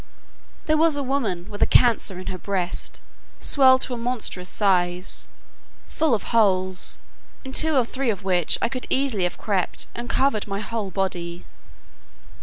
There was a woman with a cancer in her breast, swelled to a monstrous size, full of holes, in two or three of which I could have easily crept, and covered my whole body.